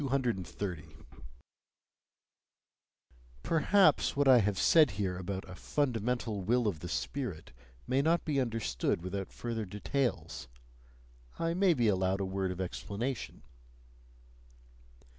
230. Perhaps what I have said here about a "fundamental will of the spirit" may not be understood without further details; I may be allowed a word of explanation.